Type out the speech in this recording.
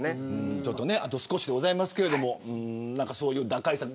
あと少しでございますけどそういう打開策。